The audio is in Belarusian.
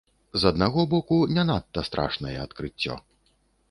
З аднаго боку не надта страшнае адкрыццё.